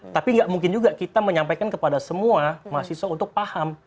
tapi nggak mungkin juga kita menyampaikan kepada semua mahasiswa untuk paham